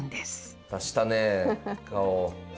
出したね顔。